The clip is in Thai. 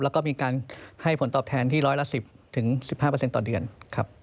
แล้วก็มีการให้ผลตอบแทนที่ร้อยละ๑๐๑๕ต่อเดือนครับ